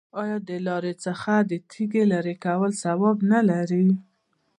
آیا د لارې څخه د تیږې لرې کول ثواب نه دی؟